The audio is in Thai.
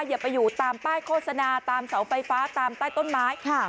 อย่าไปอยู่ตามป้ายโฆษณาตามเสาไฟฟ้าตามใต้ต้นไม้